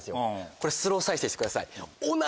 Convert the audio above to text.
これスロー再生してください。